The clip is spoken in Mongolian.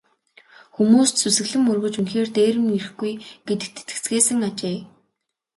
Хүмүүс ч сүсэглэн мөргөж үнэхээр дээрэм ирэхгүй гэдэгт итгэцгээсэн ажээ.